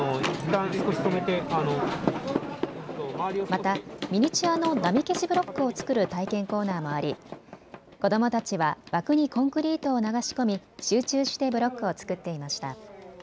またミニチュアの波消しブロックを作る体験コーナーもあり子どもたちは枠にコンクリートを流し込み集中してブロックを作っていました。